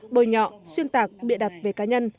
bồi nhọ xuyên tạc bịa đặt về cá nhân